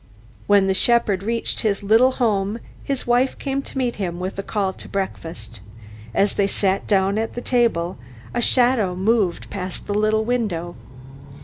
When the shepherd reached his little home, his wife came to meet him with a call to breakfast. As they sat down at the table a shadow moved past the little window.